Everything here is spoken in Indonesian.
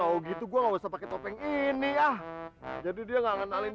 kalo gitu gue ga usah pake topeng ini yah jadi dia gak ngenalin siapa gue